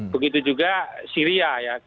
begitu juga syria ya